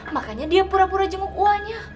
makanya dia pura pura jenguk uangnya